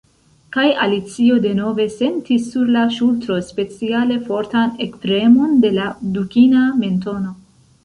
Kaj Alicio denove sentis sur la ŝultro speciale fortan ekpremon de la dukina mentono.